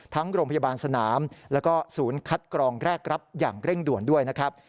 โรงพยาบาลสนามแล้วก็ศูนย์คัดกรองแรกรับอย่างเร่งด่วนด้วยนะครับ